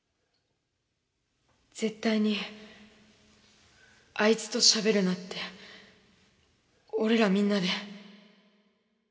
絶対にあいつとしゃべるなって俺らみんなで。